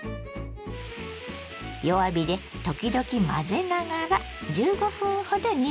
弱火で時々混ぜながら１５分ほど煮ましょ。